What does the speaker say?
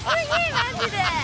マジで。